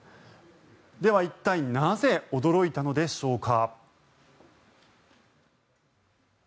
では一体なぜ驚いたのでしょうか。